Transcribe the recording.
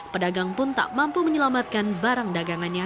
pedagang pun tak mampu menyelamatkan barang dagangannya